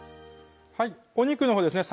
お肉のほうですね